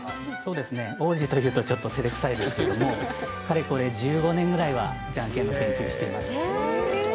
王子というとちょっとてれくさいですがかれこれ１５年ぐらいはじゃんけんの研究をしています。